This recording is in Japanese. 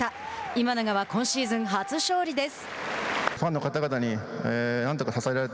今永は今シーズン初勝利です。